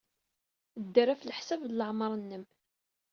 Dder ɣef leḥsab n leɛmeṛ-nnem.